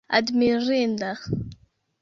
admirinda